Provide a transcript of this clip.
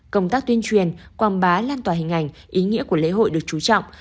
công tác tuyên truyền quảng bá lan tỏa hình ảnh ý nghĩa của lễ hội được trú trọng